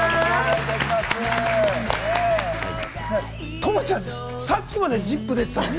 十夢ちゃん、さっきまで『ＺＩＰ！』出てたのに。